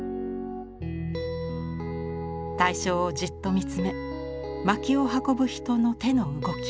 対象をじっと見つめ薪を運ぶ人の手の動き